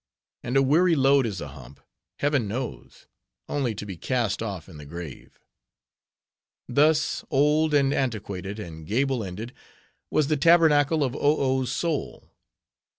And a weary load is a hump, Heaven knows, only to be cast off in the grave. Thus old, and antiquated, and gable ended, was the tabernacle of Oh Oh's soul.